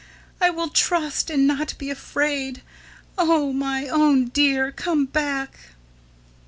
... I will trust and not be afraid ... Oh, my own Dear come back!"